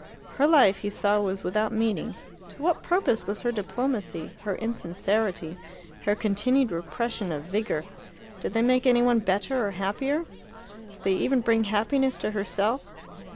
Her life, he saw, was without meaning. To what purpose was her diplomacy, her insincerity, her continued repression of vigour? Did they make any one better or happier? Did they even bring happiness to herself?